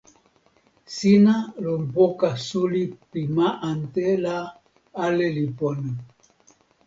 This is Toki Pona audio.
sina lon poka suli pi ma ante la ale li pona.